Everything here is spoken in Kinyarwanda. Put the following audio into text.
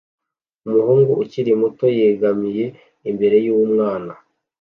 Umuhungu ukiri muto yegamiye imbere yumwana